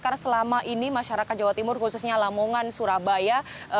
karena selama ini masyarakat jawa timur khususnya lamongan surabaya